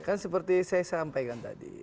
kan seperti saya sampaikan tadi